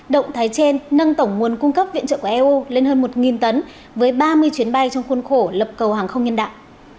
động thái trên nâng tổng nguồn cung cấp viện trợ của eu lên hơn một tấn với ba mươi chuyến bay trong khuôn khổ lập cầu hàng không nhân đạo